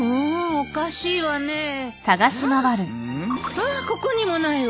ああここにもないわ。